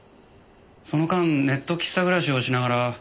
その間ネット喫茶暮らしをしながら。